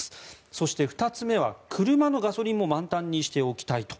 そして、２つ目は車のガソリンも満タンにしておきたいと。